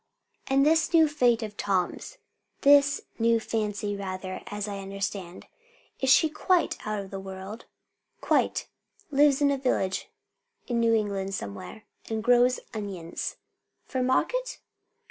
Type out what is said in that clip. "And this new Fate of Tom's this new Fancy rather, as I understand, she is quite out of the world?" "Quite. Lives in a village in New England somewhere, and grows onions." "For market?"